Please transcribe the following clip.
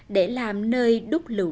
để làm nơi đúc lựu đá